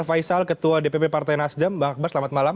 faisal ketua dpp partai nasdem bang akbar selamat malam